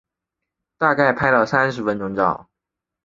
大概拍了三十分钟照